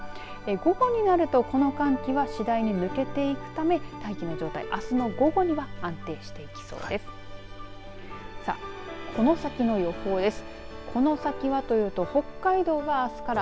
午後になるとこの寒気は次第に抜けていくため大気の状態、あすの午後には安定していきそうです。